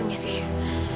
kamu gak apa apa